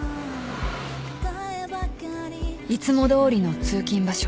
［いつもどおりの通勤場所］